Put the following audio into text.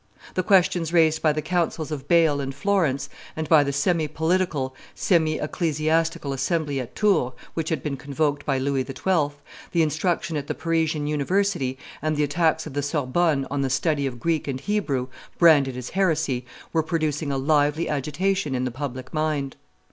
The questions raised by the councils of Bale and Florence, and by the semi political, semi ecclesiastical assembly at Tours, which had been convoked by Louis XII., the instruction at the Parisian University, and the attacks of the Sorbonne on the study of Greek and Hebrew, branded as heresy, were producing a lively agitation in the public mind.